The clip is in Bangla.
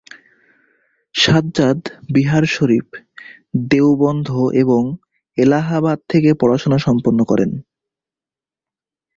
সাজ্জাদ বিহার শরীফ, দেওবন্দ এবং এলাহাবাদ থেকে পড়াশোনা সম্পন্ন করেন।